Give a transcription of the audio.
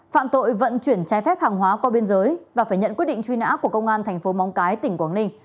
phạm tội vận chuyển trái phép hàng hóa qua biên giới và phải nhận quyết định truy nã của công an thành phố móng cái tỉnh quảng ninh